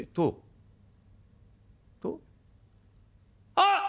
あっ！